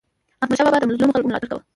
احمدشاه بابا به د مظلومو خلکو ملاتړ کاوه.